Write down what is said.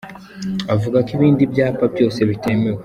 Avuga ko ibindi byapa byose bitemewe.